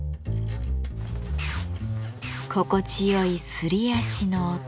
心地よいすり足の音。